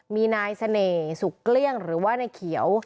มีนายเสน่ห์ศูกเลี่ยงหรือว่าหน้าขี้เกียว